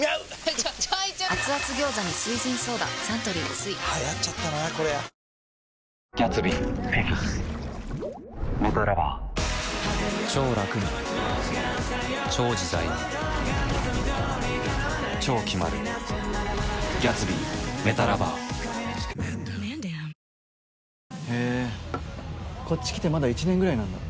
ちょいちょいサントリー「翠」流行っちゃったなコリャへえこっち来てまだ１年ぐらいなんだ。